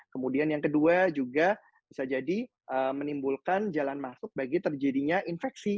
kemudian yang kedua juga bisa jadi menimbulkan jalan masuk bagi terjadinya infeksi